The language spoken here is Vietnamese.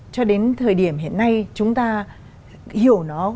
cho đến thời điểm hiện nay chúng ta hiểu nó